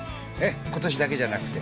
今年だけじゃなくて。